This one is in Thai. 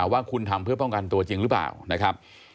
ว่าคุณทำเพื่อป้องกันตัวจริงหรือเปล่านะครับ